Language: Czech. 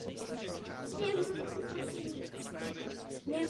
Chov plemene je doporučován především zkušeným majitelům koček.